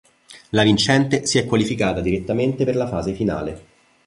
La vincente si è qualificata direttamente per la fase finale.